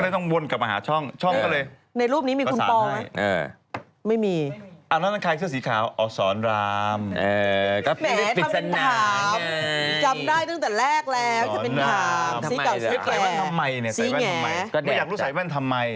ต้องรู้ใส่แว่นทำไม